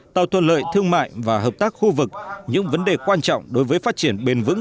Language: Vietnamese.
tạo thuận lợi thương mại và hợp tác khu vực những vấn đề quan trọng đối với phát triển bền vững